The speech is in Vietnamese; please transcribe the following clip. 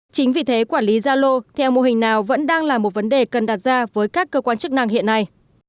chính vì thế quản lý gia lô theo mô hình nào vẫn đang là một vấn đề cần đặt ra với các cơ quan chức năng hiện nay